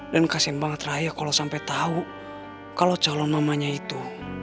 dan kasian banget raya kalau sampai tahu kalau calon mamanya itu